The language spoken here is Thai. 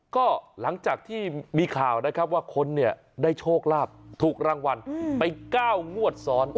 ก็หลังจากที่มีข่าวนะครับว่าคนเนี่ยได้โชคลาภถูกรางวัลไป๙งวดซ้อน